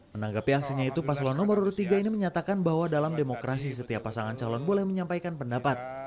menanggapi aksinya itu paslon nomor urut tiga ini menyatakan bahwa dalam demokrasi setiap pasangan calon boleh menyampaikan pendapat